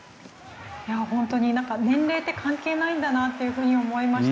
本当に年齢って関係ないんだなって思いました。